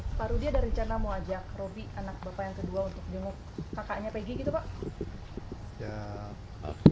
pak rudi ada rencana mau ajak robi anak bapak yang kedua untuk jemput ke rumah